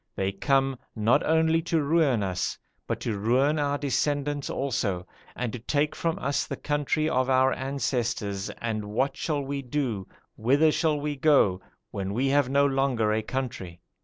They come, not only to ruin us, but to ruin our descendants also, and to take from us the country of our ancestors and what shall we do whither shall we go when we have no longer a country?'